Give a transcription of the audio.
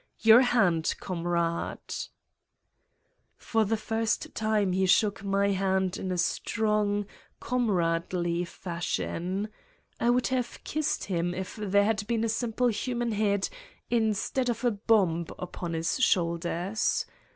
Your hand, comrade !'' For the first time he shook my hand in a strong, 178 Satan's Diary comradely fashion. I would have kissed him if there had been a simple human head instead of a bomb upon his shoulders.